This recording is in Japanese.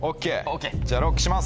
じゃあＬＯＣＫします。